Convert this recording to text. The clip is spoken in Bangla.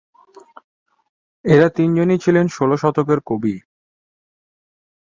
এঁরা তিনজনই ছিলেন ষোল শতকের কবি।